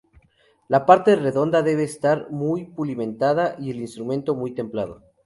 La parte redonda debe estar muy pulimentada, y el instrumento muy templado.